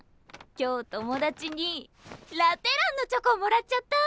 今日友達にラ・テランのチョコもらっちゃった！